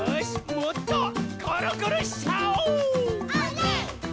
もっとコロコロしちゃおー！